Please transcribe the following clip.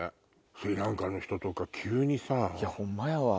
スリランカの人とか急にさ。ホンマやわ。